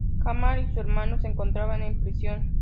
Gamal y su hermano se encontraban en prisión.